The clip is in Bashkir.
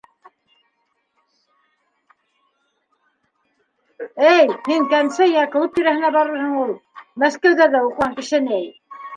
Әй, һин кәнсә йә клуб тирәһенә барырһың ул. Мәскәүҙәрҙә уҡыған кеше ни!